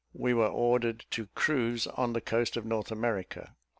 We were ordered to cruise on the coast of North America.